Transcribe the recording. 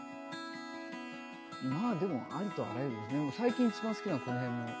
まあでもありとあらゆる最近一番好きなのはこの辺の。